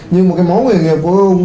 nhưng mà cái máu nghề nghiệp của ông